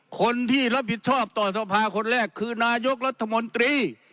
คนที่รับผิดชอบต่อสภาคนแรกคือนายกรัฐมนตรี